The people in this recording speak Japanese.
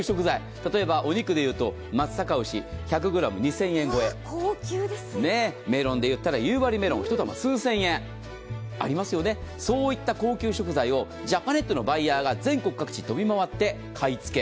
例えばお肉でいうと松阪牛１００ｇ２０００円超え、メロンでいったら夕張メロン、１玉数千円。ありますよね、そういった高級食材をジャパネットのバイヤーが全国を飛び回って買い付け。